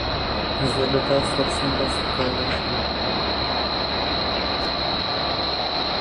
اداري اصول د قانون پر بنسټ ولاړ دي.